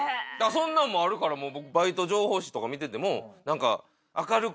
そんなんもあるから僕バイト情報誌とか見てても何か。